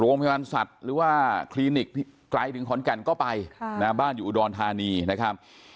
โรงพยาบาลสัตว์หรือว่าคลินิกไกลถึงขอนแก่นก็ไปบ้านอยู่อุดรธานีนะครับ